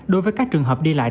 đối với các trường hợp đi lại